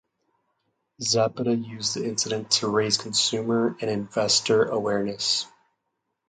Zapata used the incident to raise consumer and investor awareness.